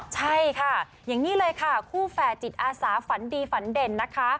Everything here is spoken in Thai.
ใช่ค่ะอย่างนี้เลยค่ะคู่แฝดจิตอาสาฝันดีฝันเด่นนะคะ